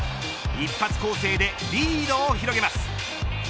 一発攻勢でリードを広げます。